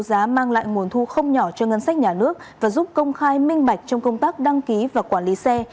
đấu giá mang lại nguồn thu không nhỏ cho ngân sách nhà nước và giúp công khai minh bạch trong công tác đăng ký và quản lý xe